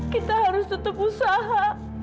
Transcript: kita harus tetap usaha